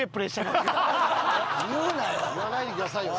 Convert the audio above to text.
言うなよ。